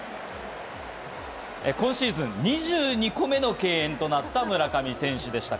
今シーズン２２個目の敬遠となった村上選手でした。